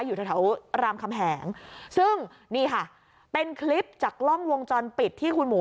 อยู่แถวรามคำแหงซึ่งนี่ค่ะเป็นคลิปจากกล้องวงจรปิดที่คุณหมู